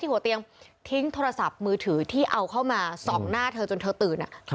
หัวเตียงทิ้งโทรศัพท์มือถือที่เอาเข้ามาส่องหน้าเธอจนเธอตื่น